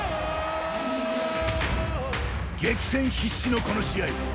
激戦必至の、この試合。